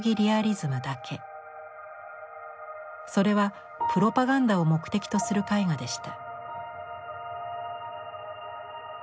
それはプロパガンダを目的とする絵画でした。